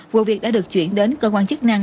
vụ việc đã được chuyển đến cơ quan chức năng